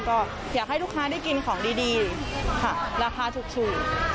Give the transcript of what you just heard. ก็อยากให้ลูกค้าได้กินของดีค่ะราคาถูก